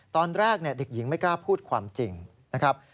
ตอนแรกเด็กหญิงไม่กล้าพูดความจริงนะครับ